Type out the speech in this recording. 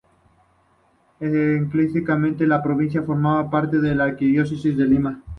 Eclesiásticamente la provincia formaba parte de la Arquidiócesis de Lima.